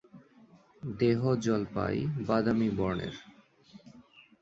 দেহ জলপাই-বাদামী বর্ণের।